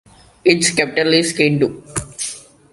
Its capital is Kindu.